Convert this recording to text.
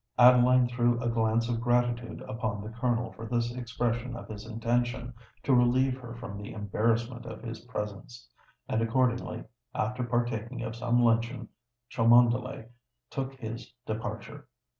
Adeline threw a glance of gratitude upon the Colonel for this expression of his intention to relieve her from the embarrassment of his presence; and accordingly, after partaking of some luncheon, Cholmondeley took his departure.